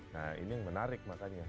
nah ini yang menarik makanya